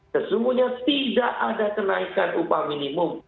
sesungguhnya tidak ada kenaikan upah minimum satu sembilan